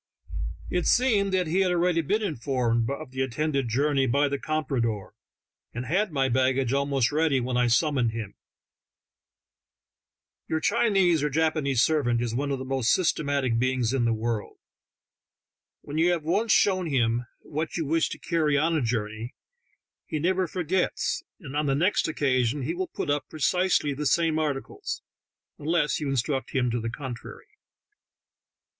It seemed that he had already been informed of the intended journey by the comprador, and had my baggage almost ready when I summoned him. Your Chinese or Japanese servant is one of the most THE TALKING HANDKERCHIEF. 13 systematic beings in the world. When you have once shown him what you wish to carry on a journey, he never forgets, and on the next occasion he will put up precisely the same articles, unless you instruct him to the contrary.